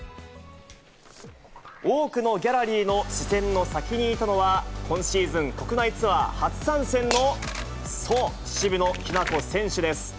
多くのギャラリーの視線の先にいたのは、今シーズン、国内ツアー初参戦の、そう、渋野日向子選手です。